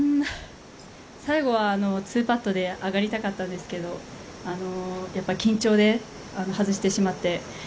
最後は２パットで上がりたかったんですけどやっぱり緊張で外してしまって。